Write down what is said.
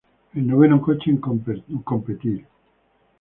El noveno coche en competir.